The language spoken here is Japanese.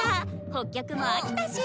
北極も飽きたし！